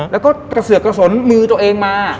แล้วก็กระเสือกกระสนมือตัวเองมา